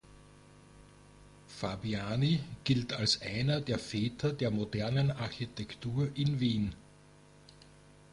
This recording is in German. Fabiani gilt als einer der Väter der Modernen Architektur in Wien.